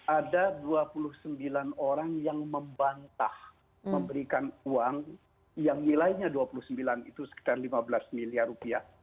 ada dua puluh sembilan orang yang membantah memberikan uang yang nilainya dua puluh sembilan itu sekitar lima belas miliar rupiah